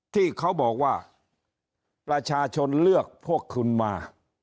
ที่เขาบอกว่าประชาชนเลือกพวกคุณมา